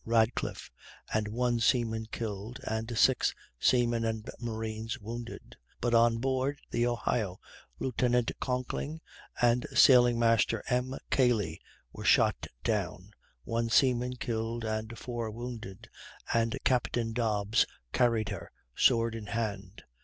Radcliffe and one seaman killed and six seamen and marines wounded; but on board the Ohio Lieut. Conkling and Sailing master M. Cally were shot down, one seaman killed, and four wounded, and Captain Dobbs carried her, sword in hand.